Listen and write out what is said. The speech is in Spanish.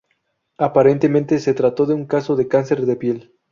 Aparentemente se trató de un caso de cáncer de piel.